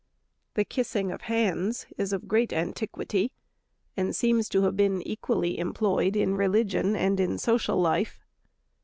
The kissing of hands is of great antiquity, and seems to have been equally employed in religion and in social life.